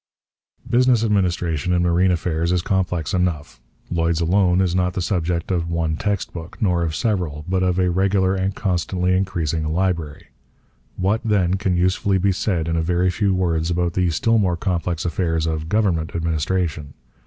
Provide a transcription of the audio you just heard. Business administration in marine affairs is complex enough. Lloyd's alone is not the subject of one text book, nor of several, but of a regular and constantly increasing library. What, then, can usefully be said in a very few words about the still more complex affairs of government administration?